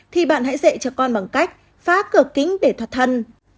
thì bạn hãy dạy cho con bằng cách phá cửa kính để thoát thân